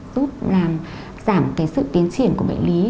giúp làm giảm cái sự tiến triển của bệnh lý